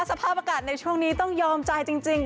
สภาพอากาศในช่วงนี้ต้องยอมใจจริง